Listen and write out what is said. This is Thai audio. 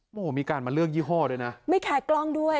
โอ้โหมีการมาเลือกยี่ห้อด้วยนะไม่แคร์กล้องด้วย